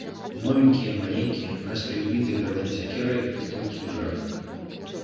Новенькія, маленькія, наспех збітыя дарожнай сякерай з тонкіх жэрдак.